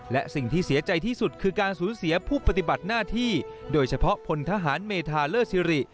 และสิ่งที่เสียใจที่สุดคือการสูญเสียผู้ปฏิบัติหน้าที่โดยเฉพาะพลทหารเมธาเลิศสิริ